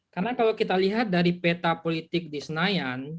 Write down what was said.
karena kalau kita lihat dari peta politik di senayan